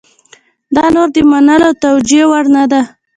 دا نور د منلو او توجیه وړ نه ده.